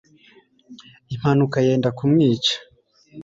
Impanuka yenda kumwica